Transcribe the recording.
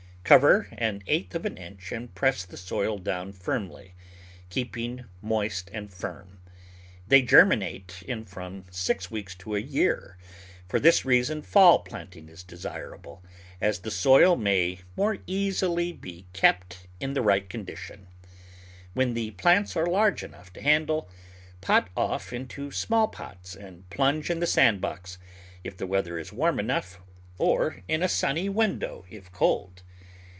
Cover an eighth of an inch and press the soil down firmly, keeping moist and warm. They germinate in from six weeks to a year; for this reason fall planting is desirable, as the soil may more easily be kept in the Digitized by Google 138 The Flower Garden [Chapter right condition. When the plants are large enough to handle, pot off into small pots and plunge in the sand box, if the weather is warm enough, or in a sunny window if cold.